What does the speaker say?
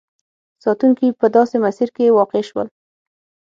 ساتونکي په داسې مسیر کې واقع شول.